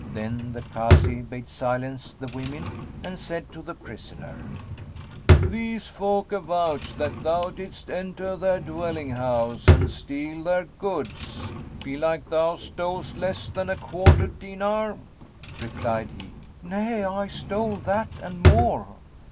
Then the Kazi bade silence the women and said to the prisoner, "These folk avouch that thou didst enter their dwelling house and steal their goods: belike thou stolest less than a quarter dinar[FN#221]?" Replied he, "Nay, I stole that and more."